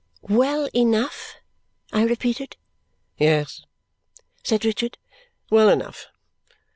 "Well enough?" I repeated. "Yes," said Richard, "well enough.